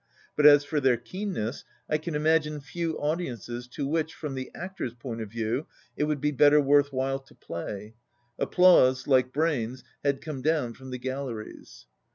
But, as for their keenness, I can imagine few audiences to which, from the actor's point of view, it would be better worth while to play. Applause, like brains, had come down from the galleries.